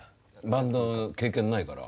バンド経験ないから。